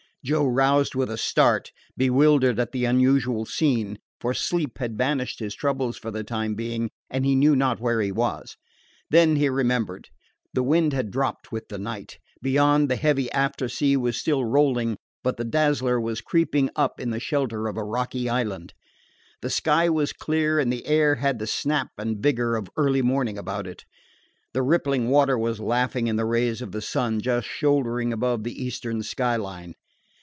Joe roused with a start, bewildered at the unusual scene; for sleep had banished his troubles for the time being, and he knew not where he was. Then he remembered. The wind had dropped with the night. Beyond, the heavy after sea was still rolling; but the Dazzler was creeping up in the shelter of a rocky island. The sky was clear, and the air had the snap and vigor of early morning about it. The rippling water was laughing in the rays of the sun just shouldering above the eastern sky line.